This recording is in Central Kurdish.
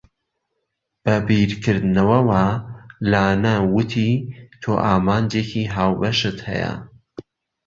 بە بیرکردنەوەوە لانە وتی، تۆ ئامانجێکی هاوبەشت هەیە.